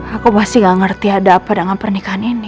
aku pasti gak ngerti ada apa dengan pernikahan ini